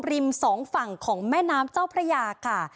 ริมสองฝั่งของแม่น้ำเจ้าพระยาค่ะ